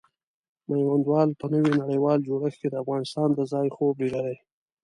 میوندوال په نوي نړیوال جوړښت کې د افغانستان د ځای خوب لیدلی.